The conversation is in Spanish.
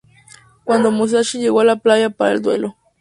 Cuándo Musashi llegó a la playa para el duelo...